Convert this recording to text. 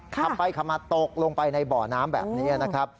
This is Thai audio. ขับไปขับมาตกลงไปในบ่อน้ำแบบนี้นะครับ